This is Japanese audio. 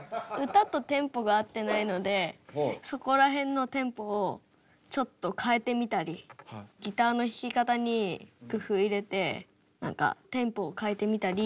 歌とテンポがあってないのでそこら辺のテンポをちょっと変えてみたりギターの弾き方に工夫入れて何かテンポを変えてみたり。